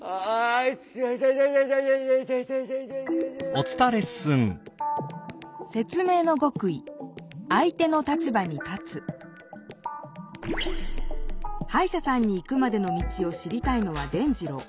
アイタタタタタ。はいしゃさんに行くまでの道を知りたいのは伝じろう。